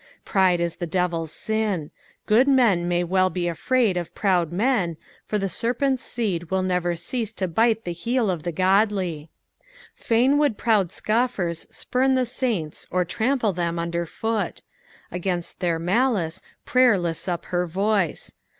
Pride is the devil's un. Good men may well be afraid of proud men, for the serpent's seed will never cease to bite the heel of the godly. Fain would proud scoffers spurn the saints or trample them under foot : against their malice prayer lifts up her voice.